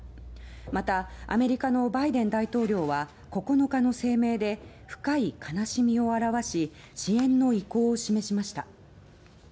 また、アメリカのバイデン大統領は９日の声明で深い悲しみを表し支援の意向を示しました。